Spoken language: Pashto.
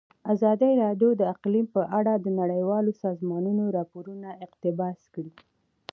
ازادي راډیو د اقلیم په اړه د نړیوالو سازمانونو راپورونه اقتباس کړي.